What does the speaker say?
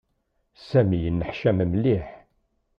Sami yenneḥcam mliḥ.